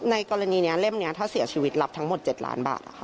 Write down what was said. ในกรณีนี้เล่มนี้ถ้าเสียชีวิตรับทั้งหมด๗ล้านบาท